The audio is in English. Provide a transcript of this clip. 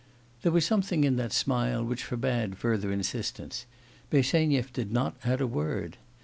There was something in that smile which forbade further insistence; Bersenyev did not add a word.